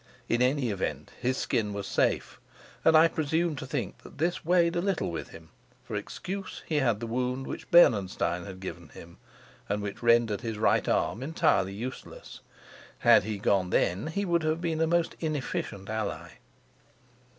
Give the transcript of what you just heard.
In any event his skin was safe, and I presume to think that this weighed a little with him; for excuse he had the wound which Bernenstein had given him, and which rendered his right arm entirely useless; had he gone then, he would have been a most inefficient ally.